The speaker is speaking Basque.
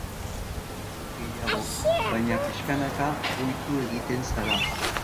Lehen agian gehiago, baina pixkanaka ohitu egiten zara.